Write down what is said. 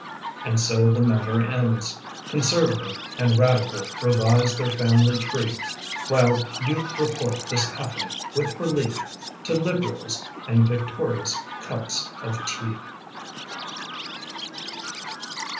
And so the matter ends; conservative And radical revise their family tree, While you report this happening with relief To liberals and victorious cups of tea.